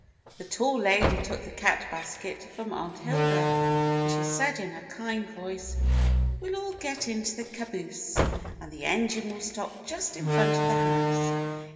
The tall lady took the cat basket from Aunt Hilda, and she said in her kind voice: — "We'll all get into the caboose, and the engine will stop just in front of the house.